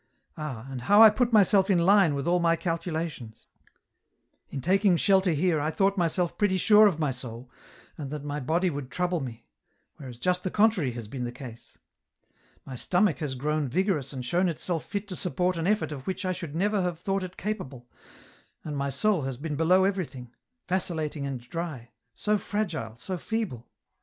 Ah, and how I put myself in line with all my calcula tions ! In taking shelter here I thought myself pretty sure of my soul, and that my body would trouble me ; whereas just the contrary has been the case. " My stomach has grown vigorous and shown itself fit to support an effort of which I should never have thought it capable, and my soul has been below everything, vacillating and dry, so fragile, so feeble